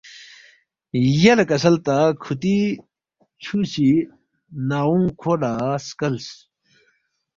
یلے کسل تا کُھوتی چھو سی ناؤنگ کھو لہ سکلس